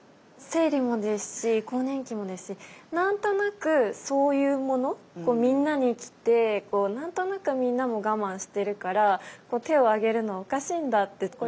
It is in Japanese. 生理もですし更年期もですし何となくそういうものみんなに来て何となくみんなも我慢してるから手を挙げるのおかしいんだって。